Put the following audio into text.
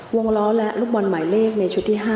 วงล้อและลูกบอลหมายเลขในชุดที่๕